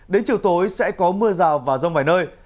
đến chiều tối sẽ có mưa rào và rông vài nơi